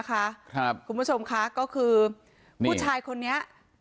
คุณผู้ชมค่ะก็คือผู้ชายคนนี้